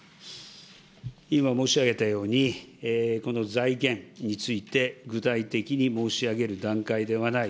今申し上げたように、この財源について具体的に申し上げるだけではない。